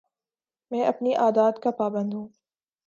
میں اپنی عادات کا پابند ہوں